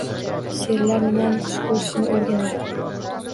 Sherlar nimani xush koʻrishini o’rganadi.